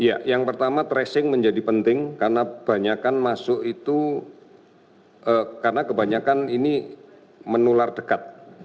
ya yang pertama tracing menjadi penting karena kebanyakan masuk itu menular dekat